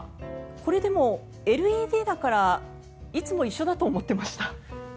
これでもＬＥＤだからいつも一緒だと思ってました。